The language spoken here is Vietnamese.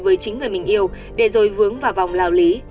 với chính người mình yêu để rồi vướng vào vòng lao lý